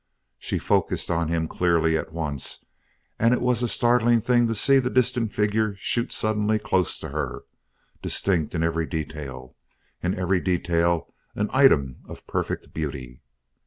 She focused on him clearly at once and it was a startling thing to see the distant figure shoot suddenly close to her, distinct in every detail, and every detail an item of perfect beauty.